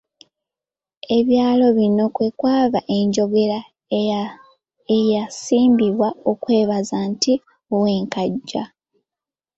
Ebyalo bino kwe kwava enjogera eyeeyambisibwa okwebaza nti Ow'e Nkajja.